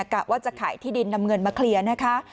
กะว่าจะขายที่ดินนำเงินมาเคลียร์นะคะ